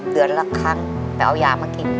เดือนละครั้งแต่เอายามากิน